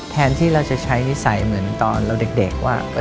แทนที่เราจะใช้นิสัยเหมือนตอนเราเด็กว่า